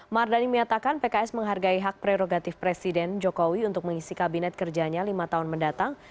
mardani menyatakan pks menghargai hak prerogatif presiden jokowi untuk mengisi kabinet kerjanya lima tahun mendatang